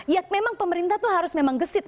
ya memang pemerintah tuh harus memang gesit